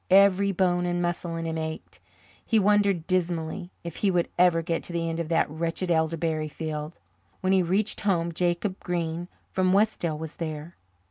Every bone and muscle in him ached. He wondered dismally if he would ever get to the end of that wretched elderberry field. When he reached home Jacob Green from Westdale was there.